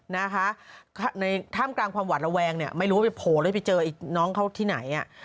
ในถ้ามกลางความหวั่นระแวงไม่รู้ว่าจะโผล่แล้วไปเจออีกน้องเขาที่ไหน